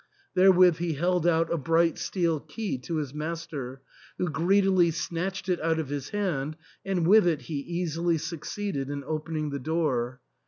Therewith he held out a bright steel key to his master, who greedily snatched it out of his hand, and with it he easily succeeded in opening the door.